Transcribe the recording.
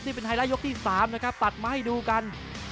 นี่เป็นไฮไลท์ยกที่๓นะครับตัดมาให้ดูกัน